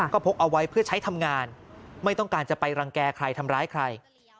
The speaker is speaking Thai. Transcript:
ก็พกเอาไว้เพื่อใช้ทำงานไม่ต้องการจะไปรังแก่ใครทำร้ายใคร